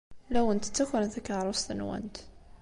La awent-ttakren takeṛṛust-nwent!